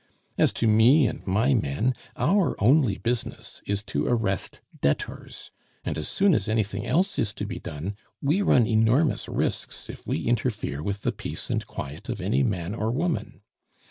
As to me and my men, our only business is to arrest debtors; and as soon as anything else is to be done, we run enormous risks if we interfere with the peace and quiet of any man or woman.